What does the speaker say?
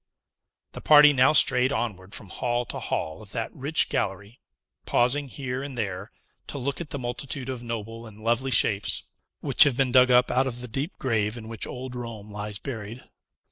The party now strayed onward from hall to hall of that rich gallery, pausing here and there, to look at the multitude of noble and lovely shapes, which have been dug up out of the deep grave in which old Rome lies buried.